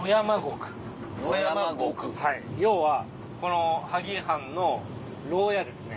はい要はこの萩藩の牢屋ですね。